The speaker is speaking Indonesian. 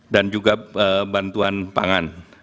juga bantuan pangan